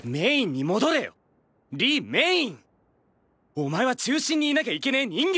お前は中心にいなきゃいけねえ人間なんだよ！